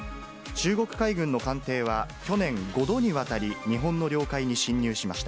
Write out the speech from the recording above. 中国海軍の艦艇は去年、５度にわたり日本の領海に侵入しました。